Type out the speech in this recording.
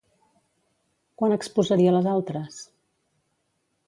Quan exposaria les altres?